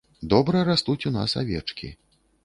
Добра растуць у нас авечкі.